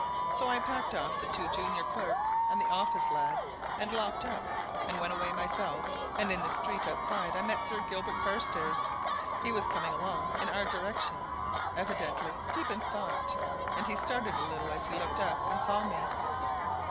So I packed off the two junior clerks and the office lad, and locked up, and went away myself and in the street outside I met Sir Gilbert Carstairs. He was coming along in our direction, evidently deep in thought, and he started a little as he looked up and saw me.